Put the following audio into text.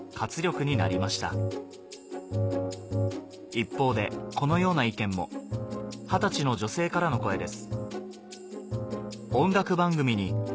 一方でこのような意見も二十歳の女性からの声です